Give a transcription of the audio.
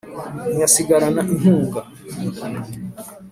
Ntiyasigarana inkunga